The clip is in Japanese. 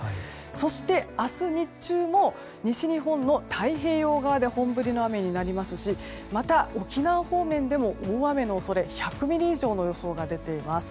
そして、明日日中も西日本の太平洋側で本降りの雨になりますしまた沖縄方面でも大雨の恐れ１００ミリ以上の予想が出ています。